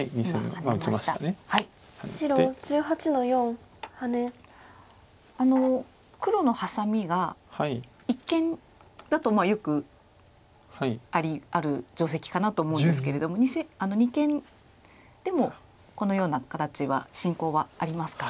あの黒のハサミが一間だとよくある定石かなと思うんですけれども二間でもこのような形は進行はありますか。